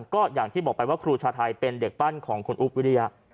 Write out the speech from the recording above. ก็อย่างที่บอกไปว่าครูชาไทยเป็นเด็กปั้นของคุณอุ๊บวิริยะ